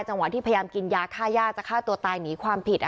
ที่พยายามกินยาฆ่าย่าจะฆ่าตัวตายหนีความผิด